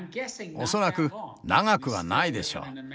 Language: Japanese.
恐らく長くはないでしょう。